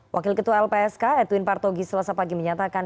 wakil ketua lpsk edwin partogi selasa pagi menyatakan